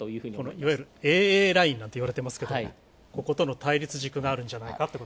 いわゆるＡＡラインなんて呼ばれていますけど対立軸があるんじゃないかと。